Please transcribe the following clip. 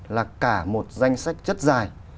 là cả một danh sách rất dài